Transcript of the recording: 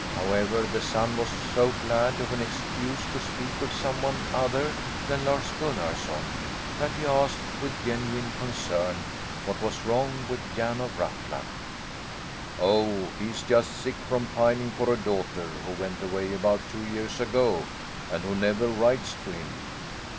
However, the son was so glad of an excuse to speak of some one other than Lars Gunnarson, that he asked with genuine concern what was wrong with Jan of Ruffluck. "Oh, he's just sick from pining for a daughter who went away about two years ago, and who never writes to him."